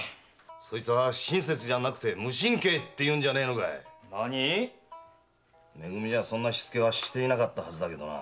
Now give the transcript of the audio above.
そいつは親切じゃなくて無神経って言うんじゃないのか⁉め組じゃそんな躾はしていなかったはずだけどな。